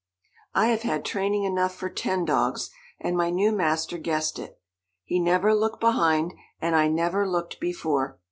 I have had training enough for ten dogs, and my new master guessed it. He never looked behind, and I never looked before.